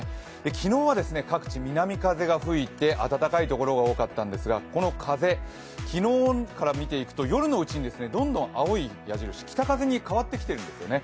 昨日は各地、南風が吹いて暖かい所が多かったんですがこの風、昨日から見ていくと夜のうちにどんどん青い矢印、北風に変わってきているんですよね。